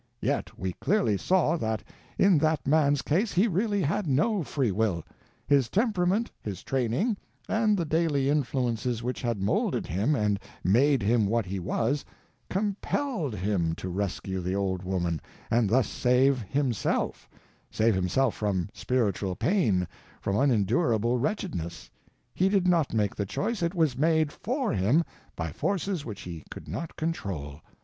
Yet we clearly saw that in that man's case he really had no Free Will: his temperament, his training, and the daily influences which had molded him and made him what he was, _compelled _him to rescue the old woman and thus save _himself _—save himself from spiritual pain, from unendurable wretchedness. He did not make the choice, it was made _for _him by forces which he could not control.